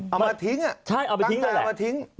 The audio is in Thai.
เอามาทิ้งอ่ะตั้งแต่เอามาทิ้ง